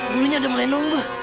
bungunya udah mulai numbuh